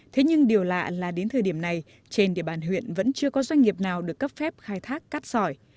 thế nhưng điều lạ là đến thời điểm này trên địa bàn huyện vẫn chưa có doanh nghiệp nào được cấp phép khai thác cát sỏi